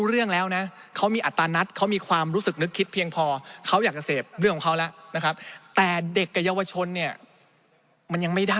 เบอร์๔เนี่ยมีเฮโลอีน